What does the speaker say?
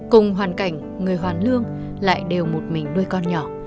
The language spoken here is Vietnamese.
cùng hoàn cảnh người hoàn lương lại đều một mình nuôi con nhỏ